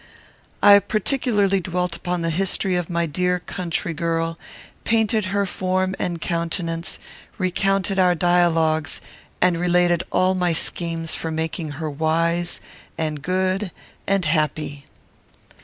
I particularly dwelt upon the history of my dear country girl; painted her form and countenance; recounted our dialogues, and related all my schemes for making her wise, and good, and happy.